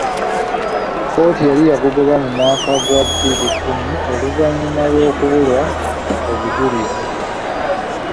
Kkooti yali yagugoba mu mwaka gwa bbiri kkumi oluvannyuma lw'okubulwa obujulizi.